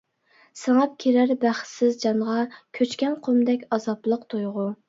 سىڭىپ كېرەر بەختسىز جانغا، كۆچكەن قۇمدەك ئازابلىق تۇيغۇ.